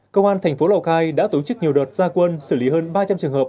công an thành phố lào cai đã tổ chức nhiều đợt gia quân xử lý hơn ba trăm linh trường hợp